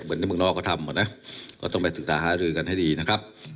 เหมือนในเมืองนอกก็ทำอ่ะนะก็ต้องไปศึกษาหารือกันให้ดีนะครับ